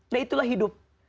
nah itulah hidup